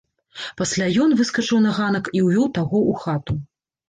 Пасля ён выскачыў на ганак і ўвёў таго ў хату.